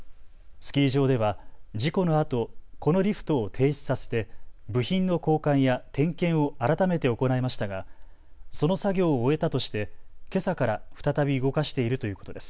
スキー場では事故のあとこのリフトを停止させて部品の交換や点検を改めて行いましたが、その作業を終えたとしてけさから再び動かしているということです。